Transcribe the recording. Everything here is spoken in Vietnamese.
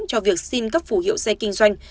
cho việc xin cấp phù hiệu xe kinh doanh